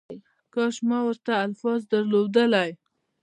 کاش ما ورته الفاظ درلودلای